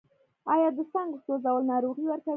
آیا د څانګو سوځول ناروغۍ ورکوي؟